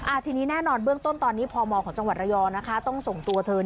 ทีนี้แน่นอนเบื้องต้นตอนนี้พมของจังหวัดระยองนะคะต้องส่งตัวเธอ